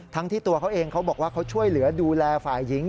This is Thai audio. ที่ตัวเขาเองเขาบอกว่าเขาช่วยเหลือดูแลฝ่ายหญิง